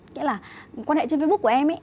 nghĩa là quan hệ trên facebook của em ấy